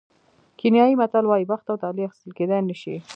کینیايي متل وایي بخت او طالع اخیستل کېدای نه شي.